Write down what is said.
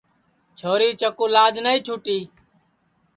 چھوری چکُو لاج نائی چُھوٹی